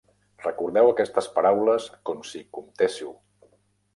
Recordeu aquestes paraules com si comptéssiu.